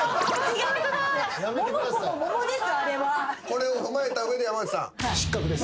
これを踏まえた上で山内さん。何で！？